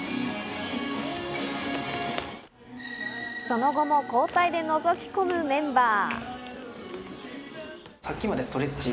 その後も交代でのぞきこむメンバー。